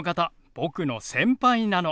僕の先輩なの。